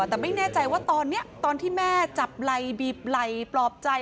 แต่ไม่แน่ใจว่าตอนนี้ตอนที่แม่จับไหล่บีบไหล่ปลอบใจ